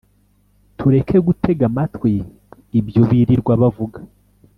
tureke gutega amatwi ibyo birirwa bavuga